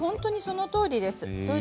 そのとおりです。